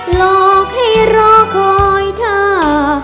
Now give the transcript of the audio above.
หลอกให้รอคอยเธอ